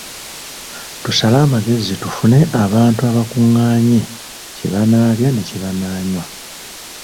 Tusale amagezi tufune abantu abakungaanye kye banaalya ne kye banaanywa.